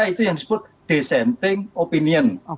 maka itu yang disebut desenting opinion